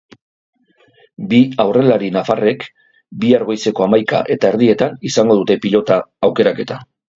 Bi aurrelari nafarrek bihar goizeko hamaika eta erdietan izango dute pilota aukeraketa.